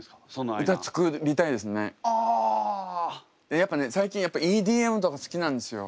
やっぱね最近ＥＤＭとか好きなんですよ。